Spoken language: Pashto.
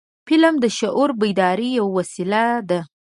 فلم د شعور بیدارۍ یو وسیله ده